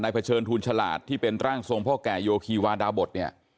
เผชิญทูลฉลาดที่เป็นร่างทรงพ่อแก่โยคีวาดาบทเนี่ย